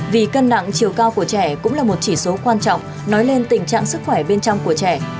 vì cân nặng chiều cao của trẻ cũng là một chỉ số quan trọng nói lên tình trạng sức khỏe bên trong của trẻ